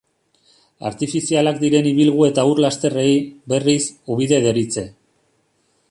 Artifizialak diren ibilgu eta ur-lasterrei, berriz, ubide deritze.